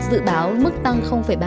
dự báo mức tăng ba